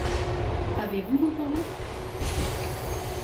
Avez-vous vos parents?